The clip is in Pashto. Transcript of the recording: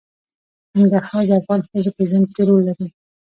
ننګرهار د افغان ښځو په ژوند کې رول لري.